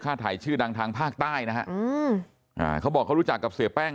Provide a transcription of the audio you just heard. ถ่ายชื่อดังทางภาคใต้นะฮะอืมอ่าเขาบอกเขารู้จักกับเสียแป้ง